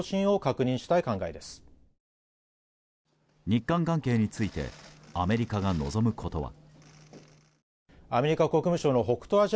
日韓関係についてアメリカが望むことは。